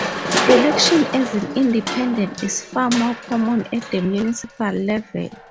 Election as an independent is far more common at the municipal level.